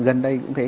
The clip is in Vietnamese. từ gần đây cũng thế